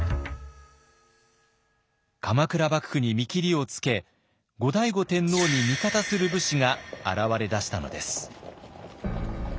鎌倉幕府に見切りをつけ後醍醐天皇に味方する武士が現れだしたのです。